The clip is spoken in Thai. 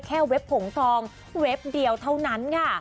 แค่เว็บผงทองเว็บเดียวเท่านั้น